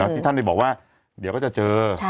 ที่ท่านบอกว่าเดี๋ยวก็จะเจอ